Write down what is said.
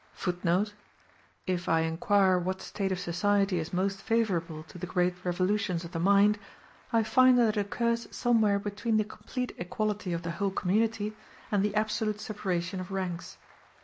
*a [Footnote a: If I inquire what state of society is most favorable to the great revolutions of the mind, I find that it occurs somewhere between the complete equality of the whole community and the absolute separation of ranks.